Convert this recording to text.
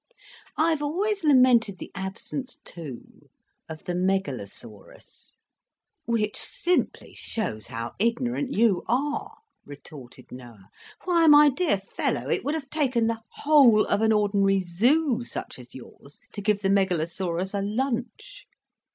I've always lamented the absence, too, of the Megalosaurus " "Which simply shows how ignorant you are," retorted Noah. "Why, my dear fellow, it would have taken the whole of an ordinary zoo such as yours to give the Megalosaurus a lunch.